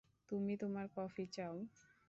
তুমি তোমার কফি চাও?